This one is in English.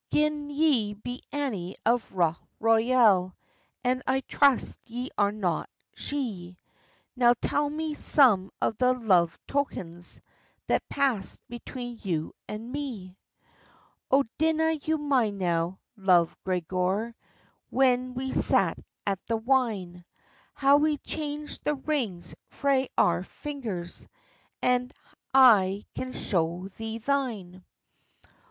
"Gin ye be Annie of Rough Royal— And I trust ye are not she— Now tell me some of the love tokens That past between you and me." "O dinna you mind now, Love Gregor, When we sat at the wine, How we changed the rings frae our fingers? And I can show thee thine.